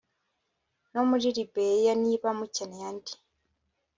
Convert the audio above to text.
no muri liberiya. niba mukeneye andi